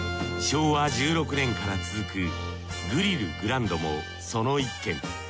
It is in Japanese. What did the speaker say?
昭和１６年から続くグリルグランドもその一軒。